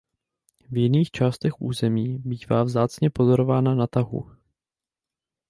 V jiných částech území bývá vzácně pozorována na tahu.